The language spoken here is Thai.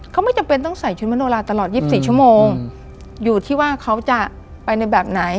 เขาไม่จำเป็นต้องใส่ชุดมโนราตลอด๒๔ชั่วโมงอยู่ที่ว่าเขาจะไปในแบบไหน